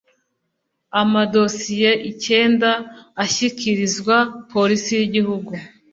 amadosiye icyenda ashyikirizwa polisi y’igihugu,